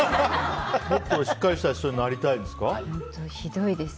もっとしっかりした人になりたいんですか。